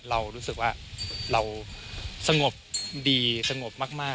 เรารู้สึกว่าเราสงบดีสงบมาก